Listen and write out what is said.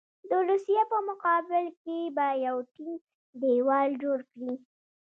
د روسیې په مقابل کې به یو ټینګ دېوال جوړ کړي.